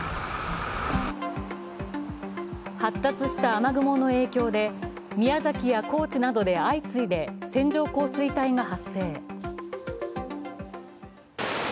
発達した雨雲の影響で宮崎や高知などで相次いで線状降水帯が発生。